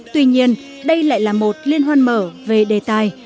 tuy nhiên đây lại là một liên hoan mở về đề tài